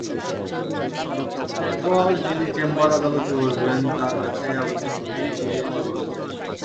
এরপর যিনি চেম্বার আদালতে বসবেন, তাঁর কাছে আবেদনটি নিয়ে যেতে বলেছেন।